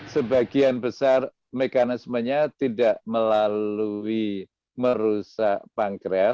sebagian besar mekanismenya tidak melalui merusak pankret